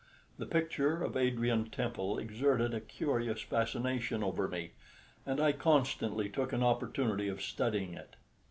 The picture of Adrian Temple exerted a curious fascination over me, and I constantly took an opportunity of studying it.